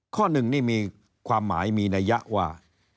ข้อหนึ่งนี่มีความหมายมีนัยยะว่า